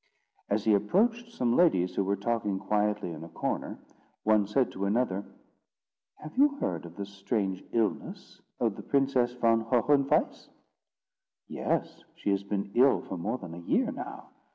As he approached some ladies who were talking quietly in a corner, one said to another: "Have you heard of the strange illness of the Princess von Hohenweiss?" "Yes; she has been ill for more than a year now.